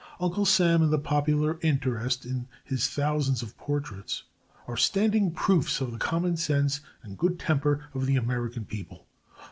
Uncle Sam and the popular interest in his thousands of portraits are standing proofs of the common sense and good temper of the American people.